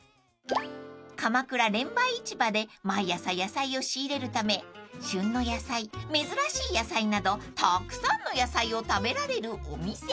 ［鎌倉レンバイ市場で毎朝野菜を仕入れるため旬の野菜珍しい野菜などたくさんの野菜を食べられるお店］